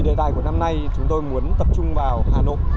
đề tài của năm nay chúng tôi muốn tập trung vào hà nội